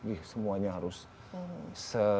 ih semuanya harus se